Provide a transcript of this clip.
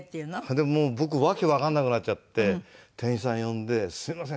でもう僕わけわかんなくなっちゃって店員さん呼んで「すいません」